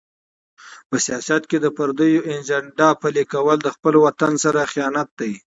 په سیاست کې د پردیو ایجنډا پلي کول د خپل وطن سره خیانت دی.